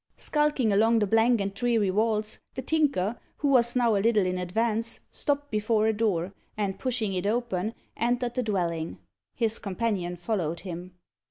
Skulking along the blank and dreary walls, the Tinker, who was now a little in advance, stopped before a door, and pushing it open, entered the dwelling. His companion followed him.